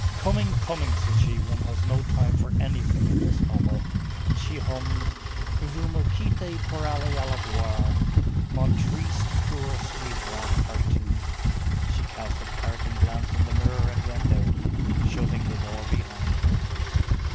"Coming! Coming!" said she. "One has no time for anything in this hovel!" She hummed:— Vous me quittez pour aller à la gloire; Mon triste cœur suivra partout.29 She cast a parting glance in the mirror and went out, shutting the door behind her.